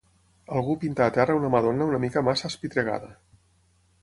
Algú pinta a terra una Madonna una mica massa espitregada.